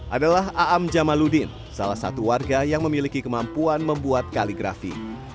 adalah aam jamaludin salah satu warga yang memiliki kemampuan membuat kaligrafi